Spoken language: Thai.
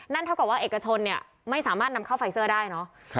นั่นเท่ากับว่าเอกชนไม่สามารถนำเข้าไฟซ่อได้เนอะ